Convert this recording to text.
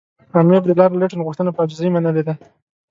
امیر د لارډ لیټن غوښتنه په عاجزۍ منلې ده.